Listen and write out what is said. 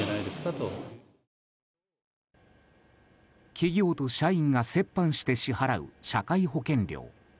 企業と社員が折半して支払う社会保険料。